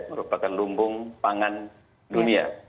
merupakan lumbung pangan dunia